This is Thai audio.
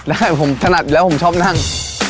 ได้ผมถนัดอยู่แล้วผมชอบนั่ง